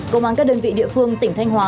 công an các đơn vị địa phương tỉnh thanh hóa